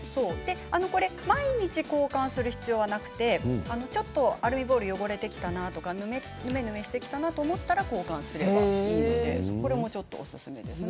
毎日、交換する必要はなくてちょっとアルミボールが汚れてきたなとかヌメヌメしてきたなと思ったら交換すればいいということです。